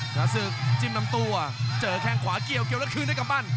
สาศึกจิ้มลำตัวเจอแข้งขวาเกี่ยวเกี่ยวแล้วคืนด้วยกำปั้น